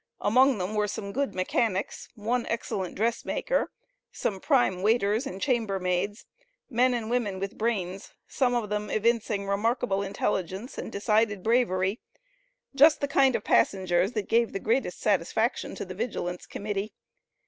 Among them were some good mechanics one excellent dress maker, some "prime" waiters and chambermaids; men and women with brains, some of them evincing remarkable intelligence and decided bravery, just the kind of passengers that gave the greatest satisfaction to the Vigilance Committee.